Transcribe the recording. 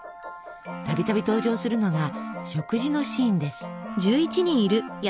度々登場するのが食事のシーンです。